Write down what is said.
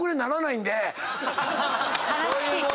悲しい。